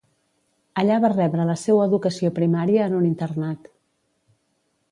Allà va rebre la seua educació primària en un internat.